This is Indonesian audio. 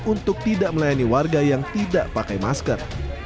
untuk tidak melayani warga yang tidak pakai masker